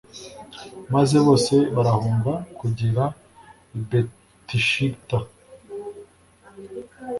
maze bose barahunga kugera i betishita